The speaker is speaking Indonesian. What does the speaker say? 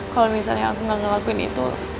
kalau misalnya aku nggak ngelakuin itu